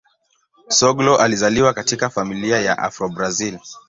Soglo alizaliwa katika familia ya Afro-Brazil.